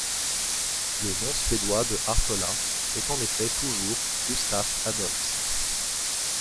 Le nom suédois de Hartola est en effet toujours Gustaf Adolfs.